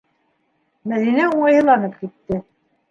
- Мәҙинә уңайһыҙланып китте.